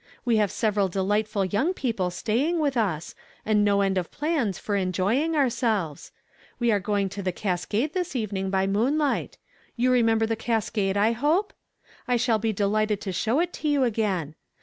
We have several delightful young people staying with us, and no end of plans for enjoying our selves. We are going to the cascade this evening by moonlight — you remember the cascade, I hope ? I shall be delighted to show it to you again.